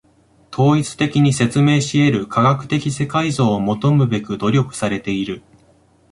統一的に説明し得る科学的世界像を求むべく努力されている。